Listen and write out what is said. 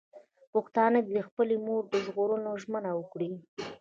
پښتانه دې د خپلې مور د ژغورلو ژمنه وکړي.